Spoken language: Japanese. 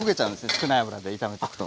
少ない油で炒めていくと。